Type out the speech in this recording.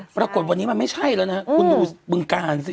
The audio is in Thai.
ปรากฏวันนี้มันไม่ใช่แล้วนะฮะคุณดูบึงกาลสิ